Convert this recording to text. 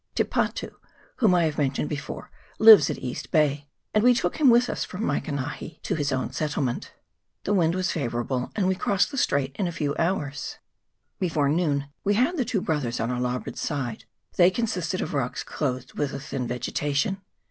Te Patu, whom I have mentioned before, lives at East Bay, and we took him with us from Waikanahi to his own settlement. The wind was favourable, and we crossed the strait in a few hours. Before noon we had the Two Brothers on our larboard side : they consisted of rocks clothed with a thin vegetation.